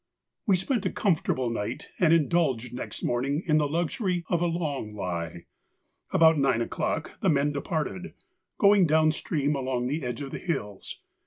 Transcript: _—We spent a comfortable night and indulged next morning in the luxury of a 'long lie.' About nine o'clock the men departed, going down stream along the edge of the hills.